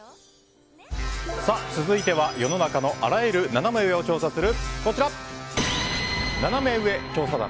続いては、世の中のあらゆるナナメ上を調査するこちら、ナナメ上調査団。